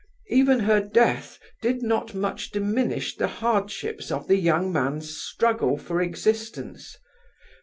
Even her death did not much diminish the hardships of the young man's struggle for existence.